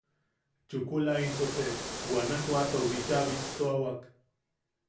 Chukula into te Guanajuatou bícha bittuawak.